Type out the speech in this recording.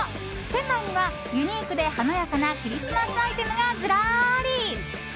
店内にはユニークで華やかなクリスマスアイテムがずらり。